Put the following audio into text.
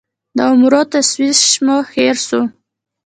د عمرو تشویش مو هېر سوو